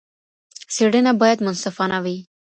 څېړنه بايد منصفانه وي.